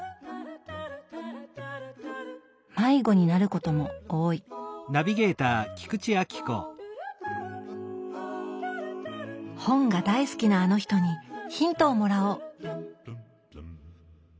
迷子になることも多い本が大好きなあの人にヒントをもらおう！